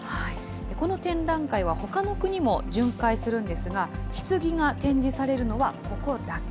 この展覧会は、ほかの国も巡回するんですが、ひつぎが展示されるのはここだけ。